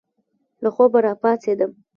له خوبه را پاڅېدم.